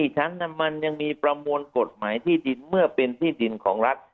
ชั้นน้ำมันยังมีประมวลกฎหมายที่ดินเมื่อเป็นที่ดินของรัฐ